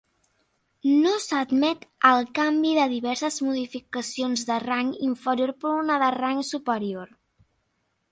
No s'admet el canvi de diverses modificacions de rang inferior per una de rang superior.